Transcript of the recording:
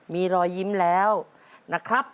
มีรอยยิ้มแล้วนะครับ